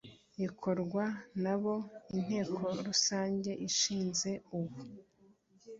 rikorwa n abo Inteko Rusange ishinze uwo